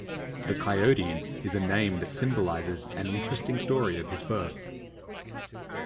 The "Coyote" is a name that symbolizes an interesting story of his birth.